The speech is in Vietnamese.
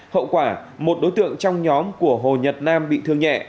hậu quả một đối tượng trong nhóm của hồ nhật nam bị thương nhẹ